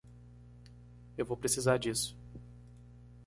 Eu vou precisar disso.